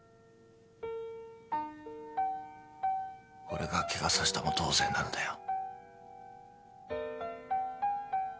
俺がケガさせたも同然なんだよ。